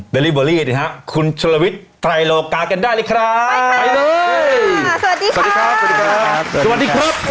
เดริเวอรี่นะฮะคุณชะลวิชไตรโลกากันได้เลยครับไปเลยสวัสดีครับ